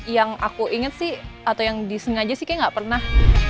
yang aku inget sih atau yang disengaja sih kayak gak pernah